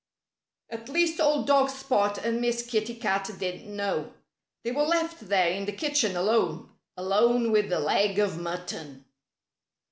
At least old dog Spot and Miss Kitty Cat didn't know. They were left there in the kitchen alone alone with the leg of mutton.